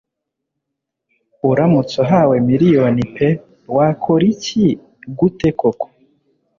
Uramutse uhawe miliyoni pe wakora iki gute koko